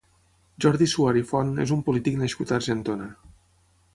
Jordi Suari Font és un polític nascut a Argentona.